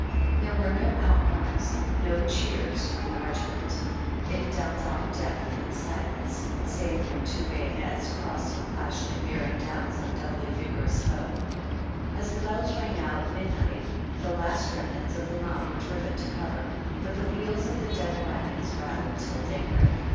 There were no outcries, no cheers from the regi ment. It dealt out death in silence, save when two 6 bayonets crossed and clashed in bearing down some doubly vigorotis foe. As the bells rang out midnight, the last remnants of the mob were driven to cover, but the wheels of the dead wagons rattled till daybreak.